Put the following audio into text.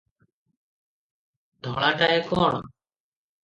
ଧଳାଟାଏ କଣ?